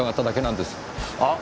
あっ！